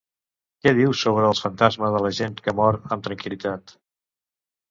Què diu sobre els fantasmes de la gent que mor amb tranquil·litat?